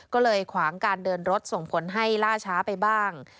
ก็เลยขวางการเดินรถส่งผลให้ล่าช้าไปบ้าง